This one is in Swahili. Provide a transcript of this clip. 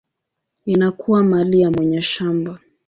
inakuwa mali ya mwenye shamba.